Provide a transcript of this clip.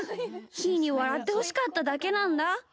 ひーに、わらってほしかっただけなんだ。